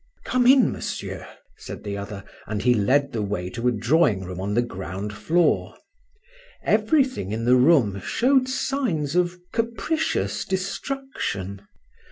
"Come in, monsieur," said the other, and he led the way to a drawing room on the ground floor. Everything in the room showed signs of capricious destruction.